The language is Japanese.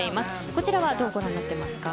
こちらはどうご覧になっていますか。